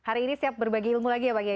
hari ini siap berbagi ilmu lagi ya pak kiai